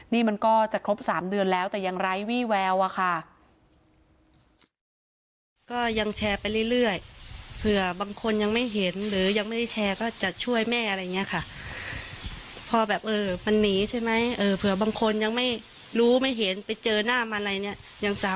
นี่มันก็จะครบ๓เดือนแล้วแต่ยังไร้วี่แววอะค่ะ